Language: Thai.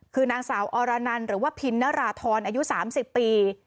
คือนางสาวอรนันหรือว่าพินนราธรอายุ๓๐ปี